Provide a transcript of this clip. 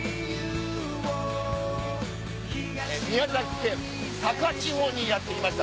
宮崎県高千穂にやって来ました